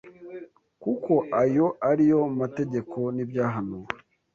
kuko ayo ari yo mategeko n’ibyahanuwe.